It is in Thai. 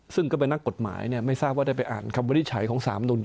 ซึ่งก็เป็นนักกฎหมายเนี่ยไม่ทราบว่าได้ไปอ่านคำวิทย์ใช้ของสามมนุษย์